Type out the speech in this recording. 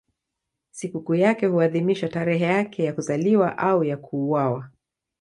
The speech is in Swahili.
Sikukuu yake huadhimishwa tarehe yake ya kuzaliwa au ya kuuawa.